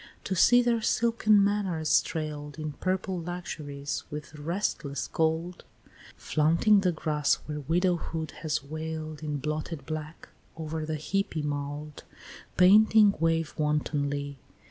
to see their silken manors trail'd In purple luxuries with restless gold, Flaunting the grass where widowhood has wail'd In blotted black, over the heapy mould Panting wave wantonly!